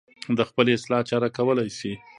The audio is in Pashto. د خپلې اصلاح چاره کولی شي.